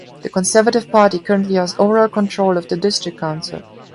The Conservative Party currently has overall control of the district council.